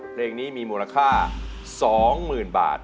เพลงนี้มีมูลค่า๒๐๐๐๐บาท